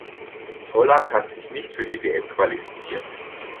Holland hat sich nicht für die WM qualifiziert.